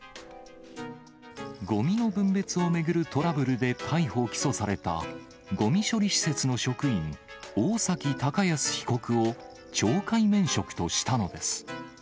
ごみの分別を巡るトラブルで逮捕・起訴された、ごみ処理施設の職員、大崎剛泰被告を懲戒免職としたのです。